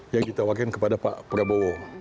yang ditawarkan kepada pak prabowo